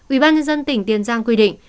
ubnd tỉnh tiền giang quy định